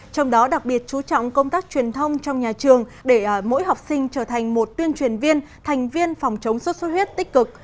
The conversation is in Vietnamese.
trong đó đặc biệt chú trọng công tác truyền thông trong nhà trường để mỗi học sinh trở thành một tuyên truyền viên thành viên phòng chống sốt xuất huyết tích cực